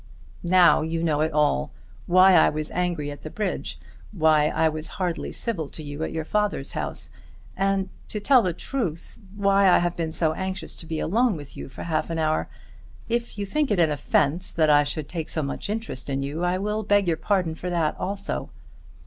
Now you know it all, why I was angry at the bridge, why I was hardly civil to you at your father's house; and, to tell the truth, why I have been so anxious to be alone with you for half an hour. If you think it an offence that I should take so much interest in you, I will beg your pardon for that also."